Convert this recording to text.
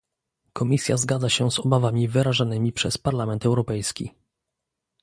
Komisja zgadza się z obawami wyrażanymi przez Parlament Europejski